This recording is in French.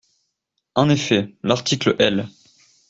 En effet, l’article L.